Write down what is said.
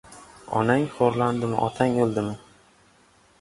Onang xo‘rlandimi, otang o‘ldimi?